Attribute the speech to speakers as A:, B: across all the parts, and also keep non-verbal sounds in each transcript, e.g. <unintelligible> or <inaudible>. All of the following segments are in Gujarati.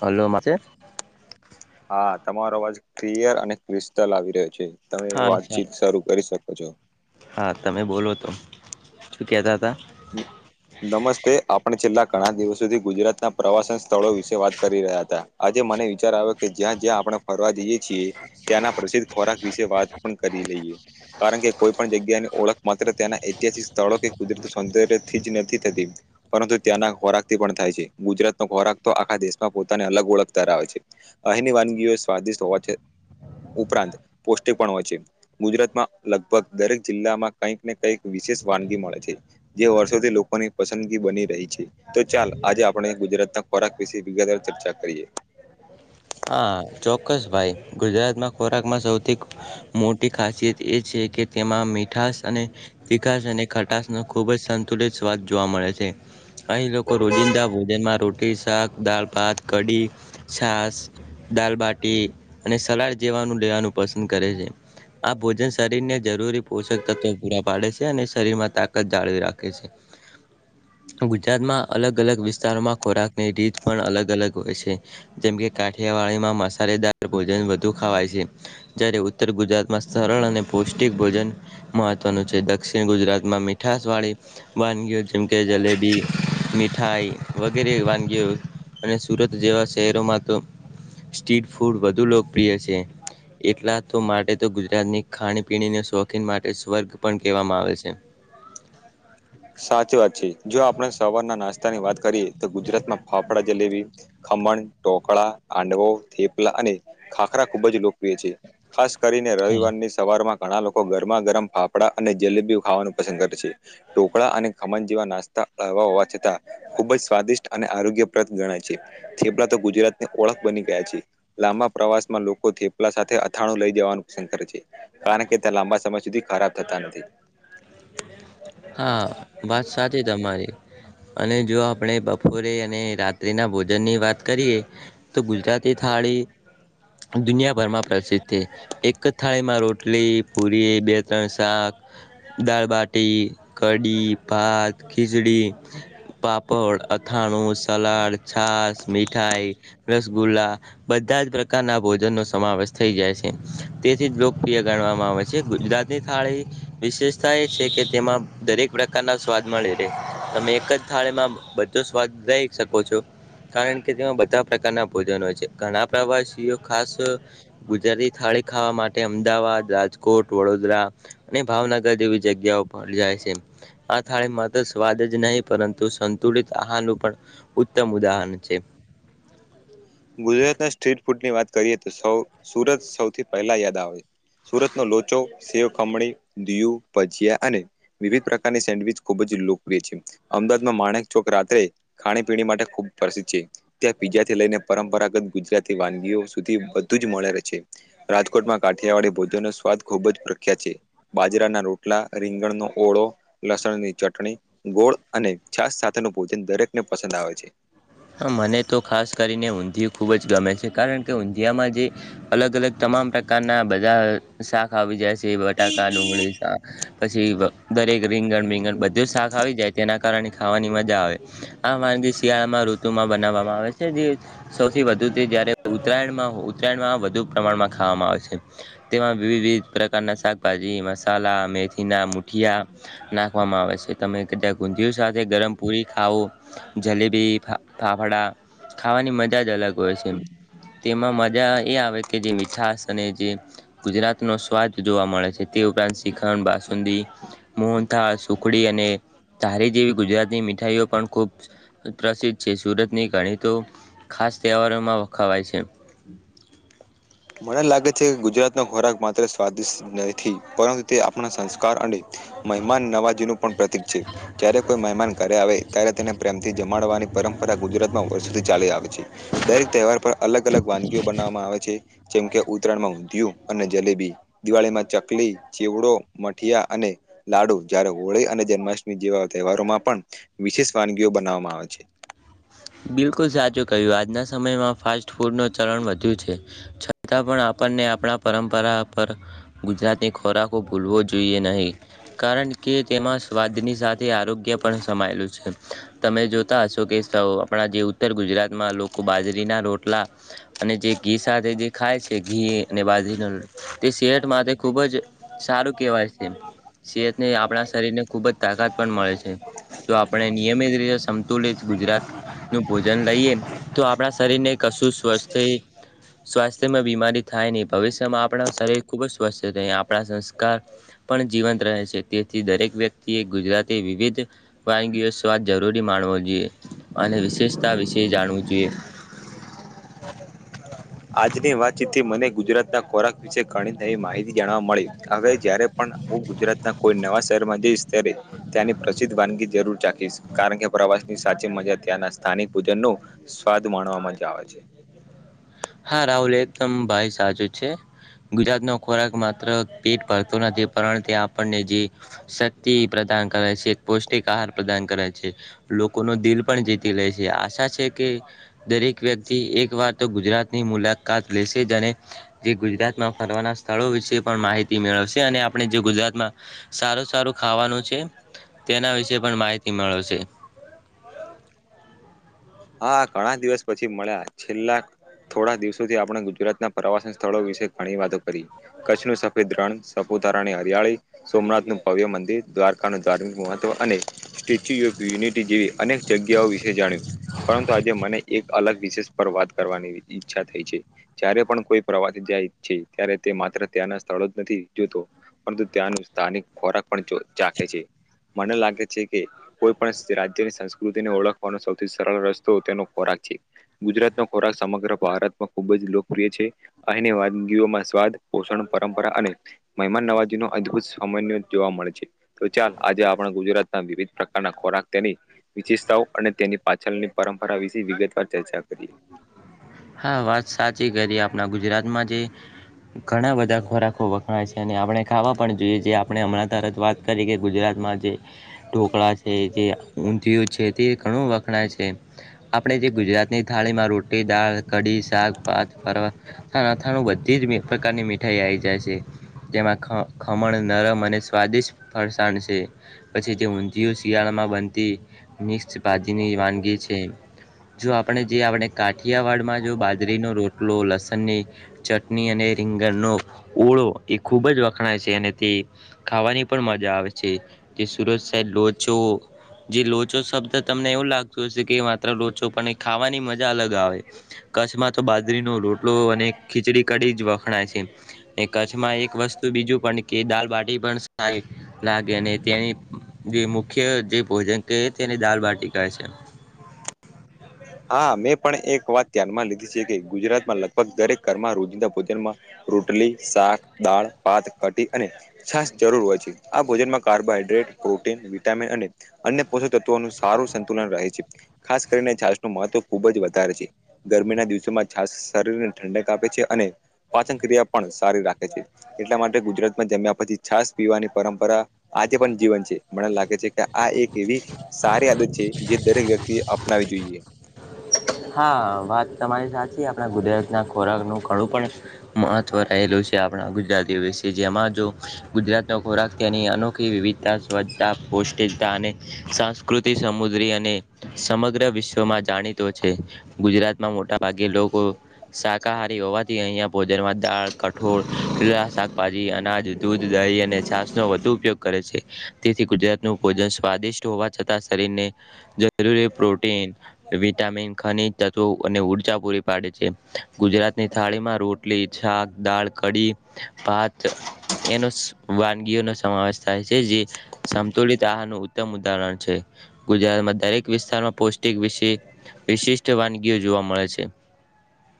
A: હલો માછે
B: હા તમારો અવાજ ક્લિયર અને ક્રિસ્ટલ આવી રહ્યો છે તમે
A: હા સા
B: વાતચીત શરૂ કરી શકો છો
A: હા તમે બોલો તો શું કહેતા હતા
B: હમ નમસ્તે આપણે છેલ્લા ઘણા દિવસોથી ગુજરાતના પ્રવાસન સ્થળો વિશે વાત કરી રહ્યા હતા આજે મને વિચાર આવ્યો કે જ્યાં જ્યાં આપણે ફરવા જઈએ ત્યાંના પ્રસિદ્ધ ખોરાક વિશે વાત પણ કરી લઈએ કારણ કે કોઈ પણ જગ્યાની ઓળખ માત્ર તે્યાંના ઐતિહાસિક સ્થળો કે કુદરતી પરંતુ ત્યાંના ખોરાકથી પણ થાય છે ગુજરાતનો ખોરાક તો આખા દેશમાં પોતાની અલગ ઓળખ ધરાવે છે અહીંની વાનગીઓ સ્વાદિષ્ટ હોવા છે ઉપરાંત પોષ્ટિક હોય છે ગુજરાતમાં લગભગ દરેક જિલ્લામાં કંઈક ને કઈક વિશેષ વાનગી મળે છે જે વર્ષોથી લોકોની પસંદગી બની રહી છે તો ચાલ આજે આપણે ગુજરાતના ખોરાક વિશે વિ ચર્ચા કરીએ
A: હ હા ચોક્કસ ભાઈ ગુજરાતમાં ખોરાકમાં સૌથી મોટી ખાસિયત એ છે કે તેમાં મીઠાસ અને તિકાસ અને ખટશ ન ખુબ જ સંતુલિત સ્વાદ જોવા મળે છે અહીં લોકો રોજિંદા ભોજનમાં રોટી શાક દાલ ભાત કઢી છાસ દાલબાટી અને સલાડ જેવાનું લેવાનું પસંદ કરે છે આ ભોજન શરીરને જરૂરી પોષક તત્વ પૂરા પાડે છે અને શરીરમાં તાકાત જાળવી રાખે છે <inaudible> ગુજરાતમાં અલગ અલગ વિસ્તારોમાં ખોરાકની રીત પણ અલગ અલગ હોય છે જેમકે કાઠિયાવાડીમાં મસાલેદાર ભોજન વધુ ખાવાય છે જ્યારે ઉત્તર ગુજરાતમાં સરળ અને પૌષ્ટિક ભોજન મહત્વનું છે દક્ષિણ ગુજરાતમાં મીઠાશ વાળી વાનગીઓ જેમકે જલેબી મીઠાઈ વગેરે વાનગીઓ અને સુરત જેવા શહેરોમાં તો સ્ટ્રીટ ફૂડ વધુ લોકપ્રિય છે, એકલે તો માટે તો ગુજરાતની ખાણી પીણીને શોખીન માટે સ્વર્ગ પણ કહેવામાં. આવે છે.
B: સાચી વાત છે, જો આપણે સવારના નાસ્તા ની વાત કરીએ તો ગુજરાતમાં ફાફડા જલેબી, ખમણ, ટોકળા, હાંડવો થેપલા અને ખાખરા ખુબ જ લોકપ્રિય છે, ખાસ કરીને
A: હા.
B: રવિવારની સવારમાં ઘણા લોકો ગરમા ગરમ ફાફડા અને જલેબી ખાવાનું પસંદ કરે છે, ઢોકળા અને ખમન જેવા નાસ્તા હળવા હોવા છતાં, ખુબ જ સ્વાદિષ્ટ અને આરોગ્યપ્રદ ગણાય છે, થેપલા તો ગુજરાતની ઓળખ બની ગયા છે, લાંબા પ્રવાસમાં લોકો થેપલા સાથે અથાણું લઈ જવાનું પસંદ કરે છે, કારણ કે ત્યાં લાંબા સમય સુધી ખરાબ થતા નથી.
A: હા વાત સાચી તમારી અને જો આપણે બપોરે અને રાત્રીના ભોજનની વાત કરીએ, તો ગુજરાતી થાળી દુનિયાભરમાં પ્રસિદ્ધ છે, એક થાળીમાં રોટલી પુરી બે ત્રણ શાક દાળબાટી કઢી ભાત ખીચડી પાપડ અથાંણુ સલાડ છાસ મીઠાઈ ગુલા, બધા જ પ્રકારના ભોજન નો સમાવેશ થઈ જાય છે, તેથી જ લોકપ્રિય ગણવામાં આવે છે, ગુજરાતની થાળી વિશેષ સા એ છે કે તેમાં દરેક પ્રકારના સ્વાદ મળે રહે, તમે એક જ થાળીમાં બધો સ્વાદ લઈ શકો છો. કારણ કે તેમાં બધા પ્રકારના ભોજન હોય છે ઘણા પ્રવાસીઓ ખાસ, ગુજરાતી થાળી ખાવા માટે અમદાવાદ રાજકોટ વડોદરા અને ભાવનગર જેવી જગ્યાઓ પર જાય છે, આ થાળી માત્ર સ્વાદ જ નહી પરંતુ સંતુલીત આહારનું પણ ઉત્તમ ઉદાહરણ છે.
B: ગુજરાતના સ્ટ્રીટ ફૂડ ની વાત કરીએ તો સુરત સૌથી પહેલા યાદ આવે. સુરત નો લોચો સેવખમણી, દીયું ભજીયા અને વિવિધ પ્રકારની સેન્ડવીચ ખુબ જ લોકપ્રિય છે. અમદાવાદમાં માણેક ચોક રાત્રે ખાણી પીણી માટે ખૂબ પ્રસિદ્ધ છે, ત્યાં પીજા થી લઈને પરંપરાગત ગુજરાતી વાનગીઓ સુધી બધું જ મળે રહે છે, રાજકોટમાં કાઠિયાવાડી ભોજન ખુબ જ પ્રખ્યાત છે, બાજરાના રોટલા રીંગણનો ઓળો, લસણની ચટણી. ગોળ અને છાસ સાથેનુ ભોજન દરેક ને પસંદ આવે છે.
A: હ મને તો ખાસ કરીને ઊંધીયું ખુબ જ ગમે છે કારણ કે ઊંધીયામાં જે અલગ અલગ તમામ પ્રકારના બધા શાક આવી જાય. બટાકા ડુંગળી શાક, પછી દરેક રીંગણ મીંગણ બધું શાક આવી જાય તેના કારણે ખાવાની મજા આવે, આ વાનગી શિયાળામાં ૠતુ બનાવવામાં આવે છે જે, સૌથી વધુ જ ઉતરાયણ ઉતરાયણમાં વધુ પ્રમાણમાં આવે છે, તેમાં વિવિધ વિવિધ પ્રકારના શાકભાજી મસાલા મેથીના મુઠિયા નાખવામાં આવે છે તમે કદાચ ઊંધીયું સાથે ગરમ પુરી ખાવો, જલેબી ફાફડા, ખાવાની મજા જ અલગ હોય છે, એ તેમાં મજા એ આવે કે જે મીઠશ અને જે ગુજરાત નો સ્વાદ જોવા મળે છે તે ઉપરાંત શિખંડ બાસુંદી, મોહન્થાળ, સુખડી. એ તારી જેવી ગુજરાતની મીઠાઈઓ પણ ખૂબ, પ્રસિદ્ધ સુરતની ગણીતુ, ખાસ તહેવારોમાં વખાવાય છે.
B: મને લાગે છે કે ગુજરાતનો ખોરાક માત્ર સ્વાદિષ્ટ નથી, પરંતુ તે આપણા સંસ્કાર અને મહેમાન નવાજીનું પણ પ્રતિક છે, જ્યારે કોઈ મહેમાન ઘરે આવે ત્યારે તેને પ્રેમથી જમાડવાની પરંપરા ગુજરાતમાં વર્ષોથી ચાલી આવે છે, દરેક તહેવાર પર અલગ અલગ વાનગીઓ બનાવવામાં આવે છે. મકે ઉત્તરાયણમાં ઊંધિયું અને જલેબી, દિવાળીમાં ચકલી ચીવડો મઠિયા અને લાડુ જ્યારે હોળી અને જન્માષ્ટમી જેવા તહેવારોમાં પણ, વિશેષ વાનગીઓ બનાવવામાં આવે છે.
A: બિલકુલ સાચું કહ્યુ આજના સમયમાં ફાસ્ટ ફૂડનું ચલણ વધ્યું છે, છતાં પણ આપણને આપણા પરંપરા પર ગુજરાતે ખોરાકો ભૂલવો જોઈએ નહીં, કારણ કે તેમાં સ્વાદની સાથે આરોગ્ય પણ સમાયેલું છે, તમે જોતા હશો કે સવ્ આપડા જે ઉત્તર ગુજરાત મા લોકો બાજરીના, રોટલા અને જે ઘી સાથે જે ખાય છે, ઘી એ અને બાજરીના તે શેઠ માટે ખૂબજ સારું, કેહેવાય છે. સેહતને આપણા શરીરને ખુબજ, તાકાત પણ મળે છે, જો આપણે નિયમિત રીતે સમ્ તોલે જ, ગુજ્ નુ ભોજન લઈએ, તો આપણા શરીર ને કશું સ્વસ્થે સ્વાસ્થ્યમાં બીમારી થાય નહી, ભવિષ્યમાં આપણા શરીર ખુબ જ સ્વસ્થ રેય્, આપણા સંસ્કાર પણ જીવંત, રહે છ્ તેથી દરેક વ્યક્તિએ ગુજરાતી વિવિધ, વાનગીઓ સ્વાદ જરૂરી માણવો જોઈએ. અને વિશેષતા વિશે જાણવું, જોઈએ.
B: આજની વાતચીતથી મને ગુજરાતના ખોરાક વિશે ઘણી, નવી માહિતી જાણવા મળી, હવે જ્યારે પણ હુ ગુજરાત ના કોઈ નવા શહેરમાં જઈશ, ત્યારે ત્યાની પ્રસિદ્ધ વાનગી જરૂર ચખીશ, કારણ કે પ્ર વાની સાચી મજા ત્યાંના સ્થાનિક, ભોજનનો સ્વાદ માણવામા જ આવે છે.
A: હા, રાહુલ એકદમ ભાઈ સાચો છે, ગુજરાતનો ખોરાક માત્ર પેટ ભરતું નથી, પરંતુ આપણને જે શક્તિ પ્રદાન કરે છે. પૌષ્ટિક આહાર પ્રદાન કરે છે, લોકોનો દિલ પણ જીતી લે છે, આશા છે કે, દરેક વ્યક્તિ એક વાર તો ગુજરાત મુલાકાત લેશે જેને જે ગુજરાતમા, ફરવાના સ્થળો વિશે પણ માહિતી મેળવશે અને આ આપડે જે ગુજરાતમાં સારું સારું ખાવાનું છે, તેના વિશે પણ માહિતી મેળવશે <unintelligible>
B: હા, ઘણા દિવસ પછી, મળ્યા છેલ્લા થોડા દિવસોથી, આપણે ગુજરાતના પ્રવાસન સ્થળો વિશે ઘણી વાતો કરી, કચ્છનુ સફેદ રણ સપૉ ઉતારાની હરિયાળી, સોમનાથનું ભવ્ય મંદિર, દ્વારકાનું ધાર્મિક મહત્વ અને સ્ટેચ્યુ ઓફ યુનિટી, જેવી અનેક જગ્યાઓ વિશે જાણ્યું, પરંતુ આજે મને એક અલગ વિશેષ પર વાત કરવાની ઈચ્છા થઈ છે, જ્યારે પણ કોઈ પ્રવાસ જાય છે, ત્યારે તે માત્ર સ્થળો જ નથી, જોતો પરંતુ ત્યાંનું સ્થાનિક ખોરાક પણ ચૉ ચાખે છે. મને લાગે છે કે, કોઈ પણ રાજ્યની સંસ્કૃતિને ઓળખવાનો સૌથી સરળ રસ્તો, તેનો ખોરાક છે, ગુજરાત નો ખોરાક સમગ્ર ભારતમાં ખુબ જ લોકપ્રિય છે, અહીની વાનગીઓમાં સ્વાદ પોષણ, પરંપરા અને મહેમાન નવાજી નો અદભુત સામાન્ય જોવા મળે છે, તો ચાલ આજે આપણા ગુજરાતના વિવિધ પ્રકારના ખોરાક તેની વિશેષતાઓ અને તય ની પાછળની પરંપરા વિશે વિગતવાર ચર્ચા, કરીએ.
A: હા, વાત સાચી કરી આપણા ગુજરાતમા જે ઘણા બધા ખોરાકો વખણાય છે, અને આપણે ખાવા પણ જોઈએ, જે આપણે હમણાં તરત વાત કરી કે ગુજરાતમાં જે ઢોકળા છે, જે ઊંધિયું છે તે ઘણું વખણાય છે, આપણે જે ગુજરાતની થાળીમા રોટી દાળ કઢી, શાક, ભાત ફર્ બધી જ પ્રકારની મીઠાઈ આવી જાય છે. તેમાં ખ ખમણ નરમ અને સ્વાદિષ્ટ ફરસાણ છે, પછી, તે ઊંધિયું શિયાળામાં બન તી મિક્ષ ભાજીની વાનગી છે, જો આપણે જે આપણે કાઠિયાવાડમાં જો બાજરીનો રોટલો લસણની, ચટની અને રીંગણનો ઓળો એ ખૂબજ વખણાય છે, અને તે ખાવાની પણ મજા આવે છે, જે સુરત સાઈટ લોચો જે લોચો શબ્દ તમને એવું લાગતું હશે, કે માત્ર લોચો પણ એ ખાવાની મજા અલગ આવે કચ્છમા તો બાજરીનો રોટલો અને ખીચડી કઢી જ વખણાય છે, અને કચ્છમા એક વસ્તુ બીજું પણ કે દાલબાટી, પણ લાગે લાગે અને તેની જે મુખ્ય જે ભોજન કે તેની દાલબાટી કહે છે.
B: હા, મેં પણ એક વાત ધ્યાનમાં લીધી છે, કે ગુજરાતમા લગભગ દરેક ઘરમાં રોજિંદા ભોજનમાં રો ટલી, શાક દાળ ભાત કઢી અને છાસ, જરૂર હોય છે. આ ભોજનમાં કાર્બોહાઈડ્રેટ પ્રોટીન, વિટામિન અને અન્ય પોષક તત્વોનું સારું સંતુલન રહે છે. ખાસ કરીને છાસનું મહત્વ ખૂબ જ વધારે છે ગરમીના દિવસોમાં છાસ શરીરને ઠંડક આપે છે અને પાચનક્રિયા પણ સારી રાખે છે એટલા માટે ગુજરાતમાં જમ્યા પછી છાસ પીવાની પરંપરા આજે પણ જીવન છે મને લાગે છે કે આ એક એવી સારી આદત છે જે દરેક વ્યક્તિએ અપનાવી જોઈએ.
A: હા વાત તમારી સાચી આપણા ગુજરાતના ખોરાકનું ઘણું પણ મહત્વ રહેલું છે આપણા ગુજરાતી વીશે જેમાં જો ગુજરાતનો ખોરાક ત્યાંની અનોખી વિવિધતા વધતા પૌષ્ટિકતા અને સાસ્કૃત સમુદ્રી અને સમગ્ર વિશ્વમાં જાણીતુ છે ગુજરાતમાં મોટા ભાગે લોકો શાકાહારી હોવાથી અહિયાં ભોજનમાં દાળ કઠોળ લીલા શાકભાજી અનાજ દૂધ દહીં અને શાક નો વધુ ઉપયોગ કરે છે તેથી ગુજરાતન ભોજન સ્વાદિષ્ટ હોવા છતાં શરીરને જરૂરી પ્રોટીન વિટ ખનીજ તત્વો અને ઊર્જા પૂરી પાડે છે ગુજરાતની થાળીમાં રોટલી શાક દાળ કડી ભાત એનો વાનગીઓનો સમાવેશ થાય છે જે સમાવેશ થાય છે જે સંતુલિત આહારનું ઉત્તમ ઉદાહરણ છે ગુજરાતમાં દરેક વિસ્તારમાં પૌષ્ટિક વિશે વિશિષ્ટ વાનગીઓ જોવા મળે છે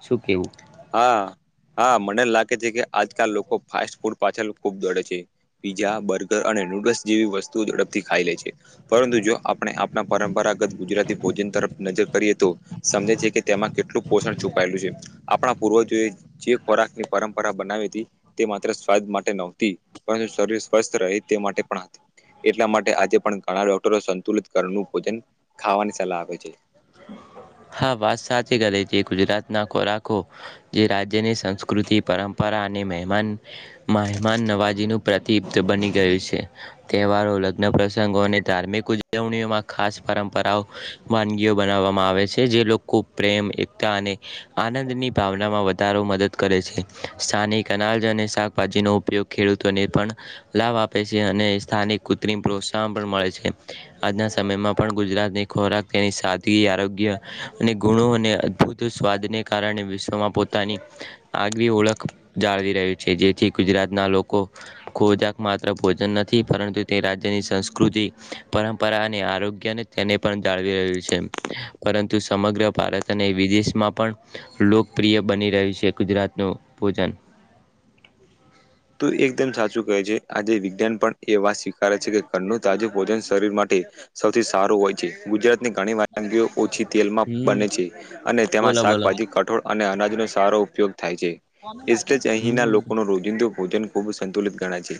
A: શું કેવું?
B: હા. હા મને લાગે છે કે આજકાલ લોકો ફાસ્ટ ફૂડ પાછળ ખુબ દોડે છે પીઝા બર્ગર અને નૂડલ્સ જેવી વસ્તુઓ ઝડપથી ખાઈ લે છે પરંતુ જો આપણે આપણા પરંપરાગત ગુજરાતી ભોજન ત તરફ નજર કરીએ તો સમજે છે કે તેમાં કેટલું પોષણ છુપાયેલું છે આ પૂર્વજોએ જે ખોરાકની પરંપરા બનાવી હતી તે માત્ર સ્વાદ માટે નહોતી પરંતુ શરી સ્વસ્થ રહે તે માટે પણ હતી. એટલા માટે આજે પણ ઘણા ડોક્ટરો સંતુલિત ઘરનું ભોજન ખાવાની સલાહ આપે છે.
A: હા વાત સાચી કરે છે ગુજરાતના ખોરાકો જે જેની રાજ્યની સંસ્કૃતિ પરંપરા અને મેહમાન માહેમાન નવાજીનું તીપ્ત બની ગયું છે તહેવારો લગ્ન પ્રસંગો અને ધાર્મિક ઉજવણીઓમાં ખા પરંપરાઓ વાનગીઓ બનાવવામાં આવે છે જે કો પ્રેમ એકતા અને આનંદની ભાવનામાં વધારો મદદ કરે છે સ્થાનિકના જાત જાતની શાકભાજીનો ઉપયોગ ખેડૂતોને પણ લાભ આપે છે અને સ્થાનિક કૃત્રિમ પ્રોત્સાહન પણ મળે છે આજના સમયમાં પણ ગુજરાતની ખોરાક થી આરોગ્ય અને ગુણો અને અદભુત સ્વાદને કારણે વિશ્વમાં પોતાની આ આગવી ઓળખ જાળવી છે જેથી ગુજરાતના લોકો ખોજાક માત્ર ભોજન નથી પરંતુ તે રાજ્યની સંસ કૃતિ પરંપરા અને આરોગ્યને તેને પણ જાળવી રહ્યું છે. પરંતુ સમગ્ર ભારત અને વિદેશમાં પણ લોકપ્રિય બની રહ્યું છે ગુજ ગુજરાતનું ભોજન
B: તો એકદમ સાચું કહે છે આજે વિજ્ઞાન પણ એ વાત સ્વીકારે છે કે ઘરનું તાજું ભોજન શરીર મા તે સૌથી સારું હોય છે ગુજરા ત ની ઘણી વાનગીઓ ઓછી તેલમાં
A: હમ
B: બને છે અને તેમાં
A: બોલો બોલો
B: શાકભાજી કઠોળ અને અનાજનો સારો ઉપયોગ થાય છે એટલે જ અહીંના
A: હમ
B: લોકોનું રોજિંદુ ભોજન ખૂબ સંતુલિત ગણાય છે.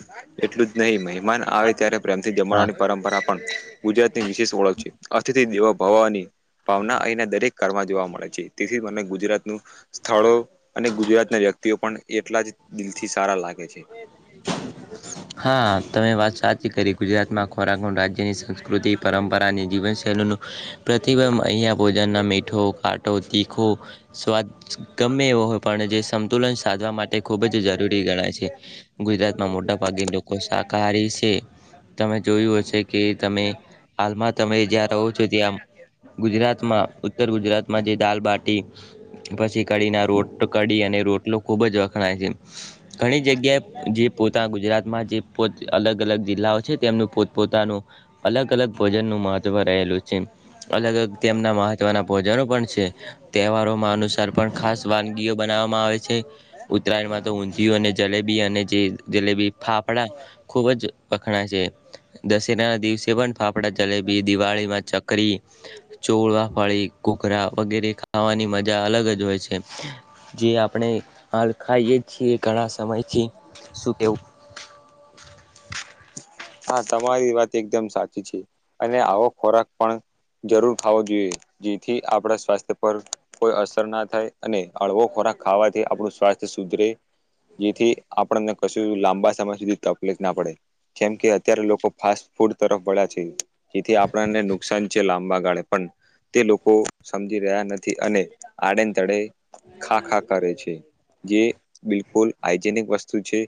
B: એટલું જ નહીં મહેમાન આવે ત્યારે પ્રેમથી
A: હા
B: જમાવાની પરંપરા પણ ગુજરાતની વિશેષ ઓળખ છે. દેવા ભવાની ભાવના અહીંના દરેક કારરમાં જોવા મળે છે તેથી મને ગુજરાત નું સ્થળો અને ગુજરાત ના વ્યક્તિઓ પણ એટલા જ દિલથી સારા લાગે છે.
A: ઉત્રાખંડ જેની સંસ્કૃતિ પરંપરા અને જીવનશૈલીનું પ્રતિબંંધ અહીયાયા ભોજનના મીઠો કાટો તીખ ખૂ સ્વાદ ગમે એવો હોય પણ જે સંતુલન સાધવા માટે ખૂબ જ જરૂરી ગણાય છે. ગુજરાત માં મોટા ભાગે લોકો શાકાહારી છે. તમે જોયું હશે કે તમે હાલમાં તમે જ્યાં રહો છો ત્યાં ગુજરાતમાં ઉત્તર ગુજરાતમાં જે દાલબાટી પછી કડીને રોટ કડી અને રોટલો ખુબ જ વખણાય છે ઘણી જગ્યાએ જે પોતા ગુજરાતમાં જે પોત અલગ અલગ જિલ્લાઓ છે તેમનું પોતપોતાનું અલગ અલગ ભોજન નું મહત્વ રહેલું છે. અલગ અલગ તેમના મહત્વના ભોજનો પણ છે તહેવારોમાં અનુસાર પણ ખાસ વાનગીઓ બબનવ આવે ઉત્તરાયણમાં તો ઊંધિયું અને જલેબી અને જે જલેબી ફાફડા ખુબ જ વખણા છે દશેરાના દિવસે પણ ફાફડા જલેબી દિવાળીમાં ચકરી ચોળવા ફળી ઘઘરા વગેરે ખાવાની મજા અલગ જ હોય છે જે આપણે હાલ ખાઈએ છીએ ઘણા સમયથી શું કેવું.
B: હા તમારી વાત એકદમ સાચી છે અને આવો ખોરાક પણ જરૂર ખાવો જોઈએ જેથી આપણા સ્વાસ્થ્ય પર કોઈ અસર ના થાય અને હળવો ખોરા ખાવાથી આપણું સ્વાસ્થ્ય શ સુદ્ધરે જેથી આપણને કશું લાંબા સમય સુધી તકલીફ ના પડે કેમ કે અત્યારે લોકો ફાસ્ટ ફૂડ તરફ વળ્યા છે જેથી આપણને નુકસાન છે લાંબા ગાળે પણ તે લોકો સમજી રહ્યા નથી અને આડ તડે ખા ખા કરે છે જે બિલકુલ આાઈજેનિક વસ્તુ છે.